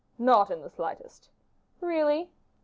"Not in the slightest." "Really?"